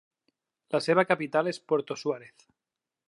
La seva capital és Puerto Suárez.